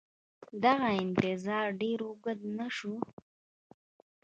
دغه انتظار ډېر اوږد نه شو.